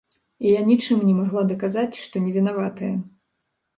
І я нічым не магла даказаць, што не вінаватая.